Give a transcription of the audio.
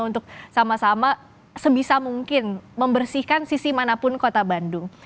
untuk sama sama sebisa mungkin membersihkan sisi manapun kota bandung